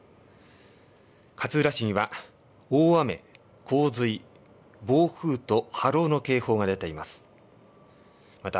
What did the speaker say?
勝浦市には大雨、洪水、暴風と波浪の警報が出ています。